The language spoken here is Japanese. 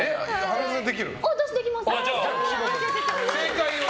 私、できます。